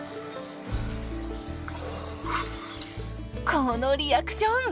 このリアクション！